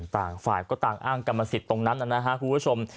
ต่างฝ่ายก็ต่างอ้างกรรมสิทธิ์ตรงนั้นนะครับคุณผู้ชม